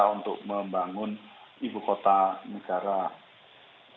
tentunya memang sekarang kan kita sama sama tahu bahwa presiden jokowi memiliki komitmen yang luar biasa